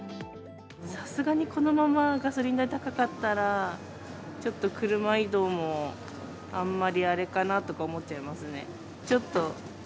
さすがにこのままガソリン代高かったら、ちょっと車移動もあんまりあれかなとか思っちゃいますね。